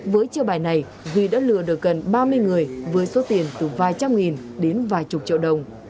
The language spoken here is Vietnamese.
với chiêu bài này duy đã lừa được gần ba mươi người với số tiền từ vài trăm nghìn đến vài chục triệu đồng